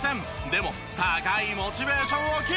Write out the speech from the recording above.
でも高いモチベーションをキープ。